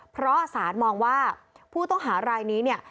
เพราะสารมองว่าผู้ต้องหารายนี้เนี่ย